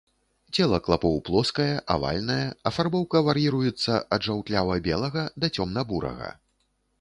Цела клапоў плоскае, авальнае, афарбоўка вар'іруецца ад жаўтлява-белага да цёмна-бурага.